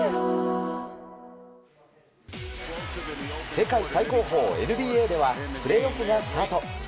世界最高峰ＮＢＡではプレーオフがスタート。